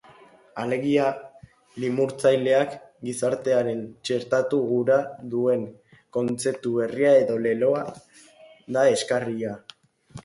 Alegia, limurtzaileak gizartean txertatu gura duen kontzeptu berria edo leloa da eskaria.